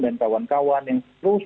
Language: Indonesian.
kawan kawan yang terus